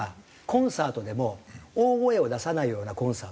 コンサートでも大声を出さないようなコンサート。